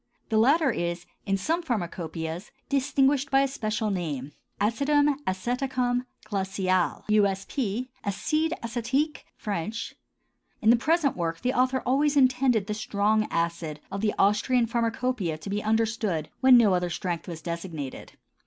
The latter is, in some pharmacopœias, distinguished by a special name: acidum aceticum glaciale, U.S. P.; acide acétique crystallisable, French Pharm.—In the present work, the author always intended the strong acid of the Austrian pharmacopœia to be understood when no other strength was designated.